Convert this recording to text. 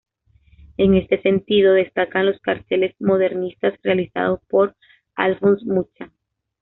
En este sentido, destacan los carteles modernistas realizados por Alfons Mucha.